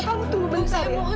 kamu tunggu bentar ya